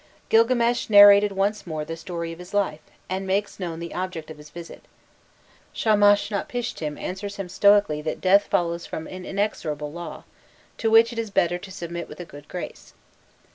Gilgames narrated once more the story of his life, and makes known the object of his visit; Shamashnapishtim answers him stoically that death follows from an inexorable law, to which it is better to submit with a good grace.